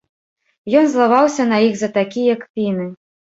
Ён злаваўся на іх за такія кпіны.